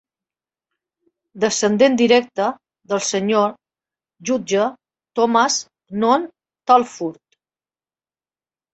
Descendent directe de Sr. Judge Thomas Noon Talfourd.